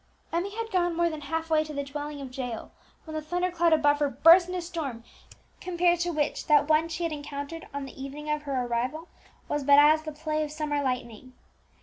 Emmie had gone more than half way to the dwelling of Jael, when the thunder cloud above her burst in a storm compared to which that one which she had encountered on the evening of her arrival was but as the play of summer lightning.